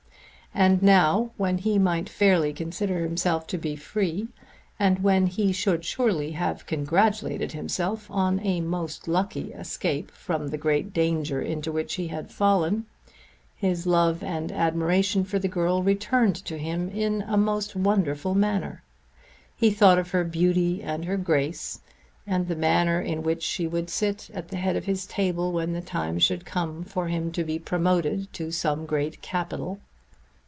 And now when he might fairly consider himself to be free, and when he should surely have congratulated himself on a most lucky escape from the great danger into which he had fallen, his love and admiration for the girl returned to him in a most wonderful manner. He thought of her beauty and her grace, and the manner in which she would sit at the head of his table when the time should come for him to be promoted to some great capital.